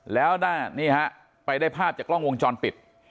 แล้วนี่ฮะไปได้ภาพจากกล้องวงจรปิด